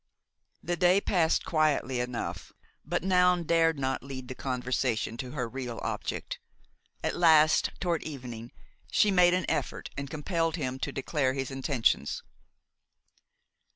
The day passed quietly enough, but Noun dared not lead the conversation to her real object. At last, toward evening, she made an effort and compelled him to declare his intentions.